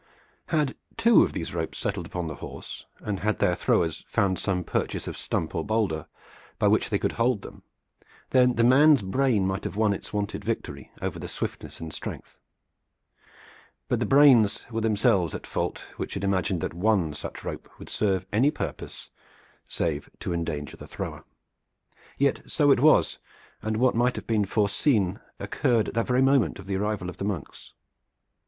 Had two of these ropes settled upon the horse, and had their throwers found some purchase of stump or boulder by which they could hold them, then the man's brain might have won its wonted victory over swiftness and strength. But the brains were themselves at fault which imagined that one such rope would serve any purpose save to endanger the thrower. Yet so it was, and what might have been foreseen occurred at the very moment of the arrival of the monks.